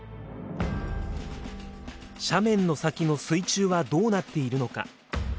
斜面の先の水中はどうなっているのか？